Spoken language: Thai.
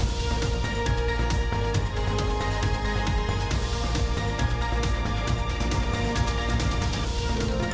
โปรดติดตามตอนต่อไป